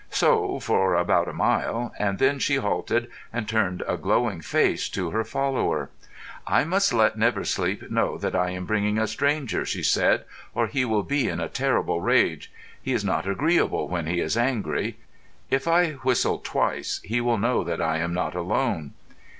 So for about a mile; and then she halted and turned a glowing face to her follower. "I must let Never Sleep know that I am bringing a stranger," she said, "or he will be in a terrible rage. He is not agreeable when he is angry. If I whistle twice, he will know that I am not alone."